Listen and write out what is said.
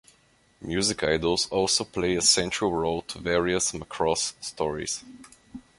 Music idols also play a central role to various Macross stories.